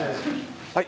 はい。